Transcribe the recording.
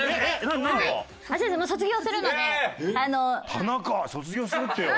田中卒業するってよ。